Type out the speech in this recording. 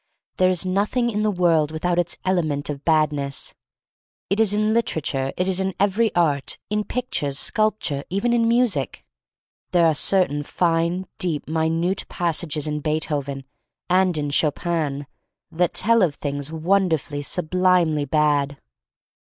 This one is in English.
There is nothing in the world with out its element of Badness. It is in literature; it is in every art — in pic tures, sculpture, even in music. There are certain fine, deep, minute passages in Beethoven and in Chopin that tell of things wonderfully, sublimely bad.